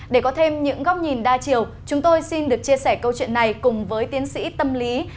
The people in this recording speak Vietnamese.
để có thêm những góc nhìn đa chiều chúng tôi xin được chia sẻ câu chuyện này cùng với tiến sĩ tâm lý phạm mạnh hà